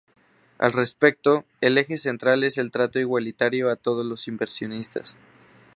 Al respecto, el eje central es el trato igualitario a todos los inversionistas.